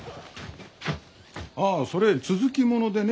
ああそれ続き物でね。